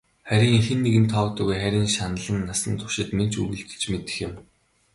Харин хэн нэгэнд тоогдоогүй хайрын шаналан насан туршид минь ч үргэлжилж мэдэх юм.